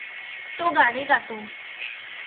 तो गाणे गातो.